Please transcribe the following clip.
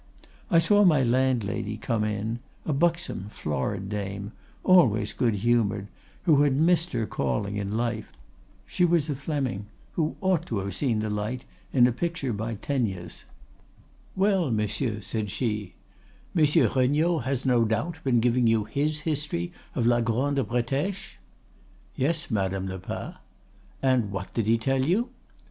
I saw my landlady come in, a buxom, florid dame, always good humored, who had missed her calling in life. She was a Fleming, who ought to have seen the light in a picture by Teniers. "'Well, monsieur,' said she, 'Monsieur Regnault has no doubt been giving you his history of la Grande Bretèche?' "'Yes, Madame Lepas.' "'And what did he tell you?